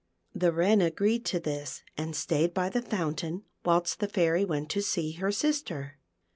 The Wren agreed to this, and stayed by the fountain whilst the Fairy went to see her sister.